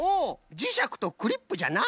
じしゃくとクリップじゃな！